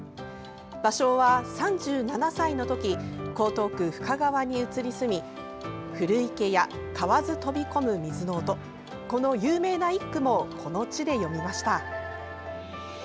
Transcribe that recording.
芭蕉は３７歳の時江東区深川に移り住み「古池や蛙飛こむ水の音」この有名な一句もこの地で詠みました。